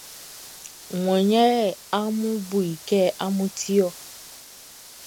Wan yɛ amun bu i kɛ amun ti ɔ?